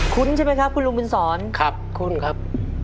ุ้นใช่ไหมครับคุณลุงบุญสอนครับคุ้นครับ